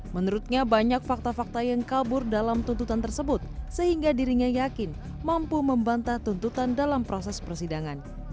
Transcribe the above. menurutnya banyak fakta fakta yang kabur dalam tuntutan tersebut sehingga dirinya yakin mampu membantah tuntutan dalam proses persidangan